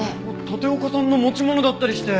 立岡さんの持ち物だったりして。